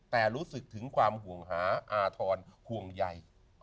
แต่รู้สึกถึงความห่วงหาอาธรณ์ห่วงใย